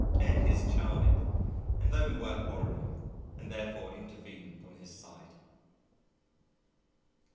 N is charming, and thought we were quarrelling, and therefore intervened on his side!